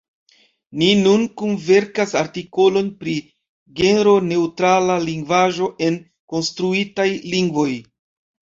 Ni nun kunverkas artikolon pri genroneŭtrala lingvaĵo en konstruitaj lingvoj.